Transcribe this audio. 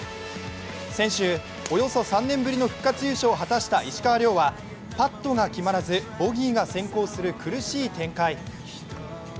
先週、およそ３年ぶりの復活優勝を果たした石川遼はパットが決まらず、ボギーが先行する苦しい展開。